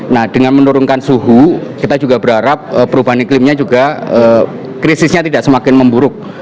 nah dengan menurunkan suhu kita juga berharap perubahan iklimnya juga krisisnya tidak semakin memburuk